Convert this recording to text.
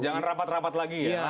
jangan rapat rapat lagi ya